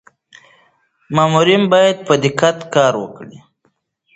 مامورین باید په دقت کار وکړي.